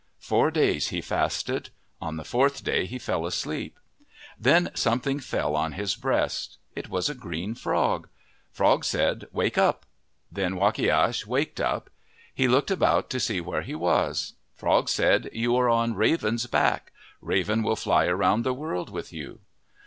Four days he fasted. On the fourth day he fell asleep. Then something fell on his breast. It was a green frog. Frog said, " Wake up." Then Wakiash waked up. He looked about to see where he was. Frog said, "You are on Raven's back. Raven will fly around the world with you."